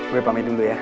gue pamit dulu ya